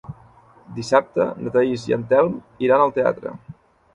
Dissabte na Thaís i en Telm iran al teatre.